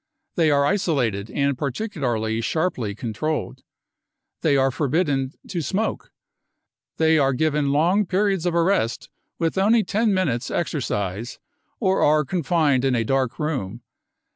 They are isolated and particularly sharply controlled. They are forbidden to smoke. They are given long periods of arrest with only ten minutes exercise, or are confined in a dark room.